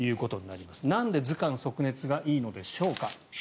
なんで頭寒足熱がいいのでしょうか。